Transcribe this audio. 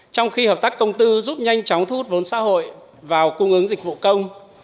trong khi hợp tác công tư giúp nhanh chóng thu hút vốn xã hội vào cung ứng dịch vụ công